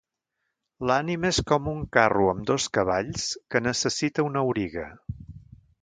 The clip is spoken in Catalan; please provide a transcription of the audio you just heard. L'ànima és com un carro amb dos cavalls que necessita un auriga.